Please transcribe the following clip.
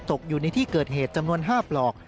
อยู่ในที่เกิดเหตุจำนวน๕ปลอก